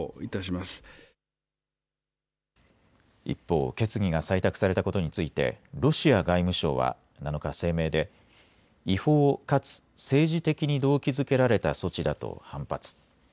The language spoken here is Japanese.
一方、決議が採択されたことについてロシア外務省は７日、声明で違法かつ政治的に動機づけられた措置だと反発。